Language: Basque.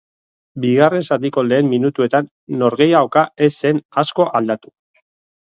Bigarren zatiko lehen minutuetan norgehiagoka ez zen asko aldatu.